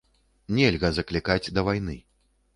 Нельга заклікаць да вайны.